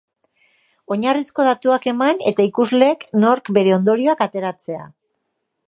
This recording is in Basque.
Oinarrizko datuak eman, eta ikusleek nork bere ondorioak ateratzea.